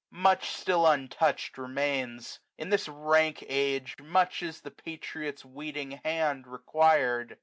Much still untouched remains; in this, rank age. I90 W I N T E R: Much is the patriot's weeding hand required.